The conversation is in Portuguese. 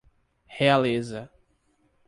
Realeza